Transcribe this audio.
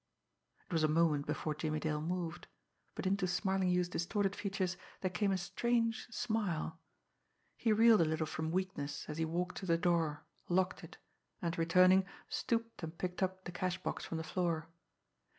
It was a moment before Jimmie Dale moved but into Smarlinghue's distorted features there came a strange smile. He reeled a little from weakness, as he walked to the door, locked it, and, returning, stooped and picked up the cash box from the floor.